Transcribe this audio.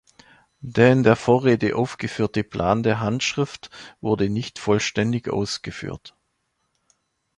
Der in der Vorrede aufgeführte Plan der Handschrift wurde nicht vollständig ausgeführt.